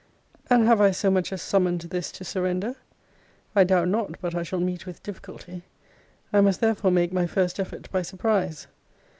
And have I so much as summoned this to surrender? I doubt not but I shall meet with difficulty. I must therefore make my first effort by surprise.